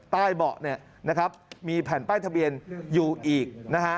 ใต้เบาะมีแผ่นป้ายทะเบียนอยู่อีก